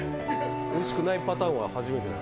おいしくないパターンは初めてだよね？